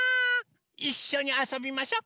いっしょにあそびましょ。